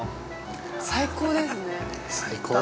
最高ですね。